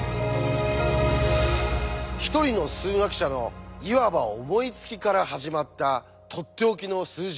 一人の数学者のいわば思いつきから始まったとっておきの数字